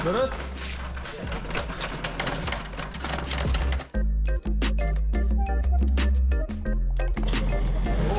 aduh musiras aduh aduh